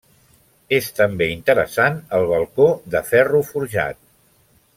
És també interessant el balcó, de ferro forjat.